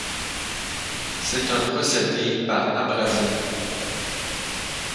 C'est un procédé par abrasion.